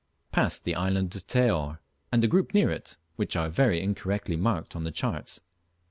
Passed the island of Teor, and a group near it, which are very incorrectly marked on the charts.